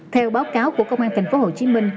theo báo cáo của công an thành phố hồ chí minh